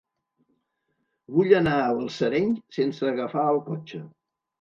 Vull anar a Balsareny sense agafar el cotxe.